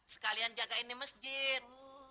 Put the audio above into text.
sekalian jagain di masjid